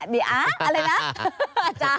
เดี๋ยวอะไรนะอะอาจารย์